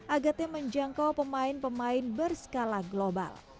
agate menjangkau pemain pemain berskala global